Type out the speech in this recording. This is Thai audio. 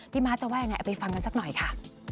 มาร์ทจะว่ายังไงเอาไปฟังกันสักหน่อยค่ะ